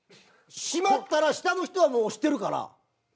閉まったら下の人はもう押してるから。